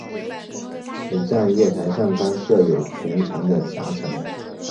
此站月台上方设有全长的夹层。